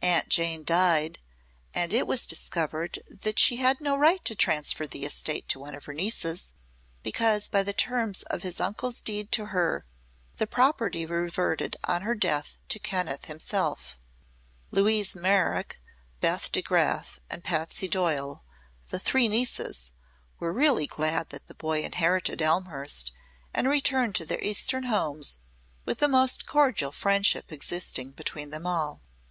Aunt Jane died and it was discovered that she had no right to transfer the estate to one of her nieces, because by the terms of his uncle's deed to her the property reverted on her death to Kenneth himself. Louise Merrick, Beth DeGraf and Patsy Doyle, the three nieces, were really glad that the boy inherited Elmhurst, and returned to their eastern homes with the most cordial friendship existing between them all.